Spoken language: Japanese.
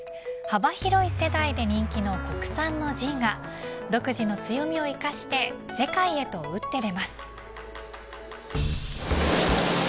幅広い世代で人気の国産のジンが独自の強みを生かして世界へと打って出ます。